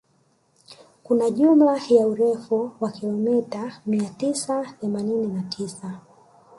Kuna jumla ya urefu wa kilomita mia tisa themanini na tisa